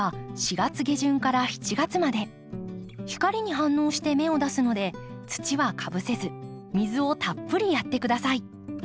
光に反応して芽を出すので土はかぶせず水をたっぷりやって下さい。